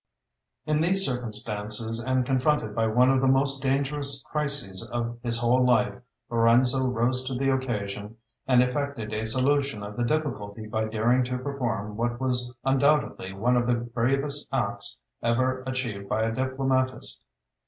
In these circumstances, and confronted by one of the most dangerous crises of his whole life, Lorenzo rose to the occasion and effected a solution of the difficulty by daring to perform what was undoubtedly one of the bravest acts ever achieved by a diplomatist.